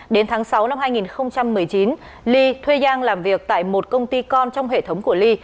đến tháng sáu năm hai nghìn một mươi chín ly thuê giang làm việc tại một công ty con trong hệ thống của ly